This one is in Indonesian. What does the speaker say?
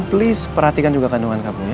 please perhatikan juga kandungan kamu ya